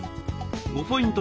５ポイント